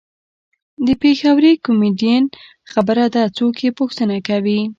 د پېښوري کمیډین خبره ده څوک یې پوښتنه کوي.